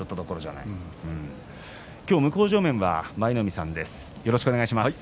今日、向正面は舞の海さんです。